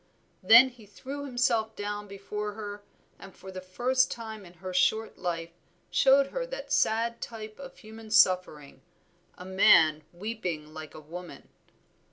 Then he threw himself down before her, and for the first time in her short life showed her that sad type of human suffering, a man weeping like a woman.